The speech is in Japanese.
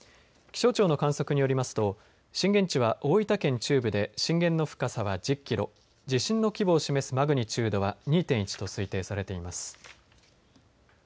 気象庁の観測によりますと震源地は大分県中部で震源の深さは１０キロ地震の規模を示すマグニチュードは２．１と推定されています。